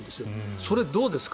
それ、どうですか。